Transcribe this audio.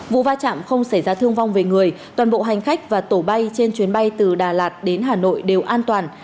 vụ va chạm không xảy ra thương vong về người toàn bộ hành khách và tổ bay trên chuyến bay từ đà lạt đến hà nội đều an toàn